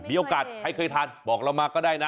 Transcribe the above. มีโอกาสใครเคยทานบอกเรามาก็ได้นะ